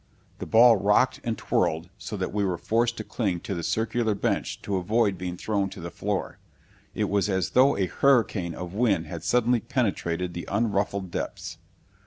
The ball rocked and twirled so that we were forced to cling to the circular bench to avoid being thrown to the floor. It was as though a hurricane of wind had suddenly penetrated the unruffled depths.